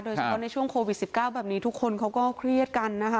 ในช่วงโควิด๑๙แบบนี้ทุกคนเขาก็เครียดกันนะคะ